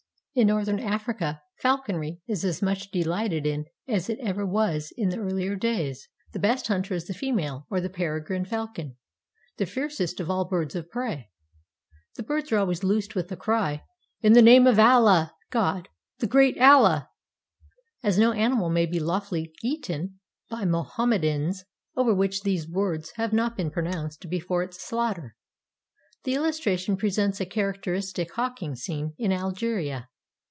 In northern Africa falconry is as much delighted in as it ever was in the earlier days. The best hunter is the female of the peregrine falcon, the fiercest of all birds of prey. The birds are always loosed with the cry, "In the name of Allah [God], the great Allah," as no animal may be lawfully eaten by Mohammedans over which these words have not been pronounced before its slaughter. The illustration presents a characteristic hawking scene in Algeria.